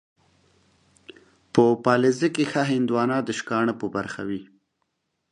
په پاليزه کې ښه هندوانه ، د شکاڼه په برخه وي.